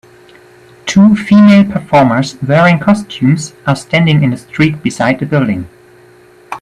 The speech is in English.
Two female performers wearing costumes are standing in the street beside a building.